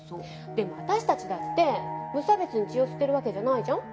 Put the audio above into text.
でも私たちだって無差別に血を吸ってるわけじゃないじゃん？